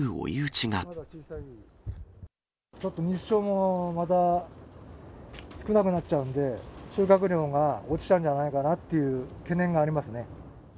ちょっと日照もまた少なくなっちゃうんで、収穫量が落ちちゃうんじゃないかなという懸念がありますね。